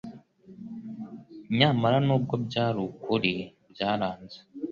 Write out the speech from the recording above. Nyamara nubwo byari ukuri byaranze